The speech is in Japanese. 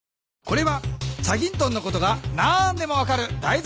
これは『チャギントン』のことが何でも分かるだい